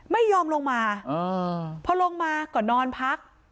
ไม่ยอมลงมาเพราะลงมาก่อนนอนพัก